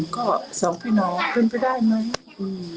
ก็สองพี่น้องเป็นไปได้ไหม